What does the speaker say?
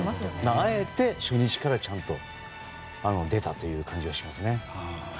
あえて初日からちゃんと出たという感じがしますね。